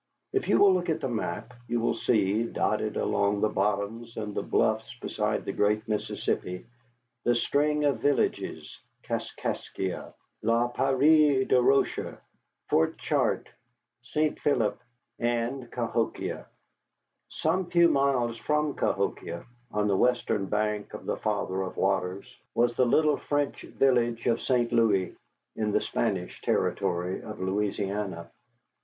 If you will look at the map, ¹ you will see, dotted along the bottoms and the bluffs beside the great Mississippi, the string of villages, Kaskaskia, La Prairie du Rocher, Fort Chartres, St. Philip, and Cahokia. Some few miles from Cahokia, on the western bank of the Father of Waters, was the little French village of St. Louis, in the Spanish territory of Louisiana.